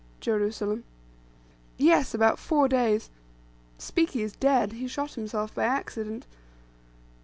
(Jerusalem.) "Yes, about four days. Spiki is dead. He shot himself by accident."